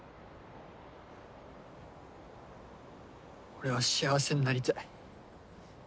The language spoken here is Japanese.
俺は幸せになりたい。